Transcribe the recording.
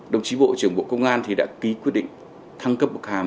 đồng chí bộ trưởng bộ công an đã ký quyết định thăng cấp bậc hàm